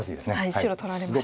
白取られました。